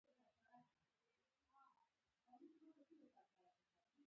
د مور شتون تل خوښې وي، د پلار شتون وياړ دي.